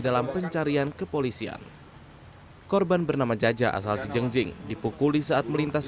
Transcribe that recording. dalam pencarian kepolisian korban bernama jaja asal cijengjing dipukuli saat melintas